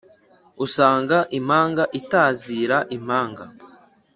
usanga impanga itazira impanga